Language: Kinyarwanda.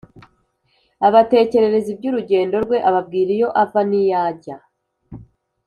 abatekerereza iby’urugendo rwe, ababwira iyo ava niyo ajya